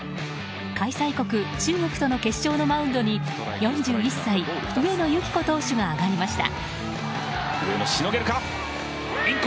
開催国、中国との決勝のマウンドに４１歳、上野由岐子投手が上がりました。